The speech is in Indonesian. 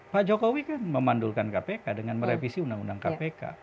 pak jokowi kan memandulkan kpk dengan merevisi undang undang kpk